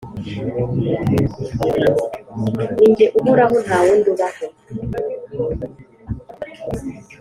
ni jye uhoraho, nta wundi ubaho.